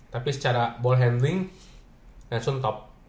tapi secara ball handling langsung top